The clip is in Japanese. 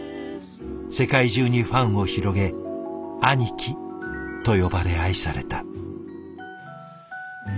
世界中にファンを広げ「アニキ」と呼ばれ愛された。